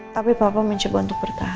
tapi papa mencoba untuk bertahan